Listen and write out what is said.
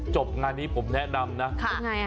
จบงานนี้ผมแนะนำนะ